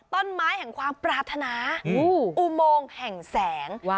ต้นไม้แห่งความปรารถนาอุโมงแห่งแสง